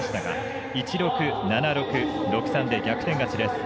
１−６、７−６、６−３で逆転勝ちでした。